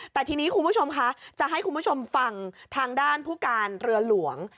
แต่ทีนี้คุณผู้ชมคะจะให้คุณผู้ชมฟังทางด้านผู้การเรือหลวง